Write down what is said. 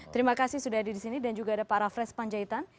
terima kasih sudah ada di sini dan juga ada pak rafles panjaitan